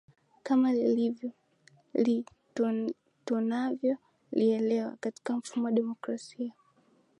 kama lilivyo li tunavyo lielewa katika mfumo wa demokrasia